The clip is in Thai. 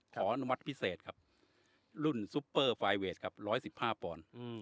ขออนุมัติพิเศษครับรุ่นซุปเปอร์ไฟเวทครับร้อยสิบห้าปอนด์อืม